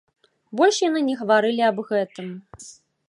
Больш яны не гаварылі аб гэтым.